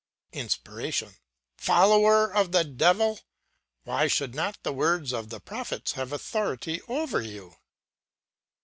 "INSPIRATION: Follower of the devil! Why should not the words of the prophets have authority over you?